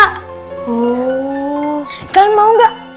oh kalian mau gak